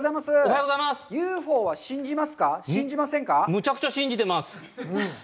むちゃくちゃ信じてます！